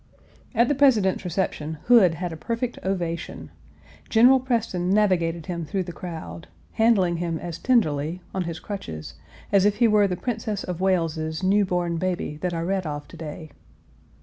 At the President's reception Hood had a perfect ovation. General Preston navigated him through the crowd, handling him as tenderly, on his crutches, as if he were the Princess of Wales's new born baby that I read of to day.